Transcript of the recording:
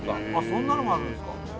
そんなのもあるんですか